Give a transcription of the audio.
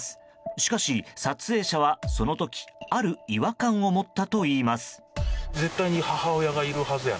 しかし、撮影者はその時ある違和感を持ったといいます。